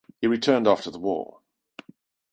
He returned after the war.